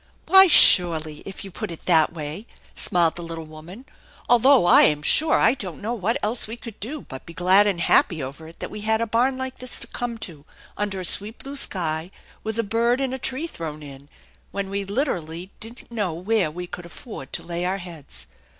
" Why, surely, if you put it that way !" smiled the little woman. "Although I'm sure I don't know what else we could do but be glad and happy over it that we had a barn like this to come to under a sweet blue sky, with a bird and a tree thrown in, when we literally didn't know where we could afford co lay our heads.